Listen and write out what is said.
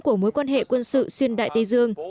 của mối quan hệ quân sự xuyên đại tây dương